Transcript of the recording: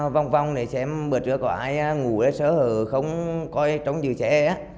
vòng vòng để xem buổi trưa có ai ngủ để sở hữu không coi trống chữ cháy